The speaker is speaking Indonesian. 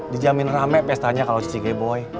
dijamin rame pestanya kalau cici gemoy